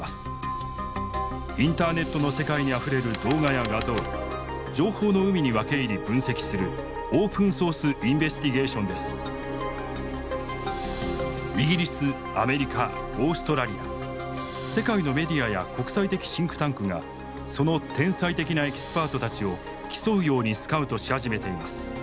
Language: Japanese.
インターネットの世界にあふれる動画や画像情報の海に分け入り分析するイギリスアメリカオーストラリア世界のメディアや国際的シンクタンクがその天才的なエキスパートたちを競うようにスカウトし始めています。